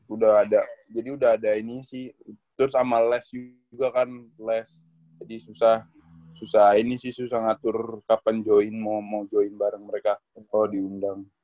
udah ada jadi udah ada ini sih terus sama les juga kan les jadi susah susah ini sih susah ngatur kapan join mau join bareng mereka mau diundang